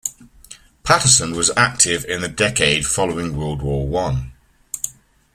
Patterson was active in the decade following World War One.